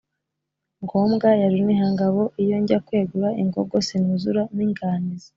ngombwa ya Runihangabo, iyo njya kwegura ingogo sinuzura n’ inganizi.